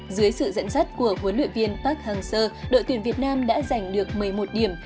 dưới sự dẫn dắt của huấn luyện viên park hang seo đội tuyển việt nam đã giành được một mươi một điểm